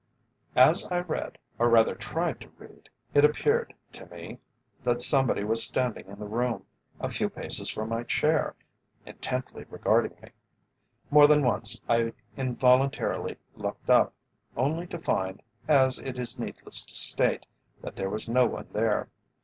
As I read, or rather tried to read, it appeared to me that somebody was standing in the room, a few paces from my chair, intently regarding me. More than once I involuntarily looked up, only to find, as it is needless to state, that there was no one there.